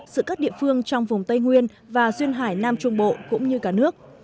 giữa các địa phương trong vùng tây nguyên và duyên hải nam trung bộ cũng như cả nước